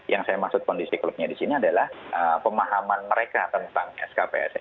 yang saya maksud kondisi klubnya di sini adalah pemahaman mereka tentang skps